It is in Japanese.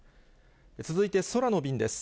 続いて空の便です。